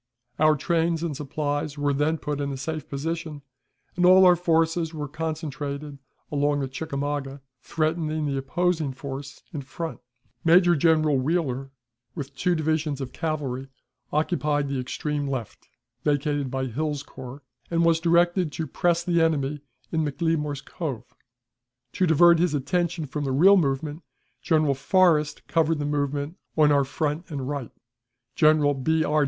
Our trains and supplies were then put in a safe position, and all our forces were concentrated along the Chickamauga, threatening the opposing force in front. Major General Wheeler, with two divisions of cavalry, occupied the extreme left, vacated by Hill's corps, and was directed to press the enemy in McLemore's Cove; to divert his attention from the real movement, General Forrest covered the movement on our front and right; General B. R.